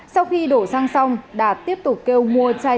sau khi đổ xăng xong đạt tiếp tục kêu mua chai